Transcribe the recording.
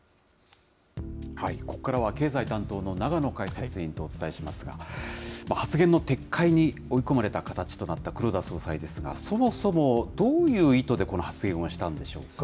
ここからは経済担当の永野解説委員とお伝えしますが、発言の撤回に追い込まれた形となった黒田総裁ですが、そもそも、どういう意図で、この発言をしたんでしょうか。